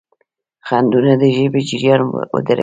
خنډونه د ژبې جریان ودروي.